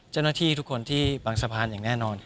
เจ้าหน้าที่ทุกคนที่บางสะพาน